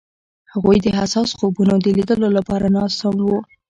هغوی د حساس خوبونو د لیدلو لپاره ناست هم وو.